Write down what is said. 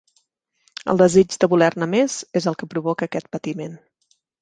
El desig de voler-ne més és el que provoca aquest patiment.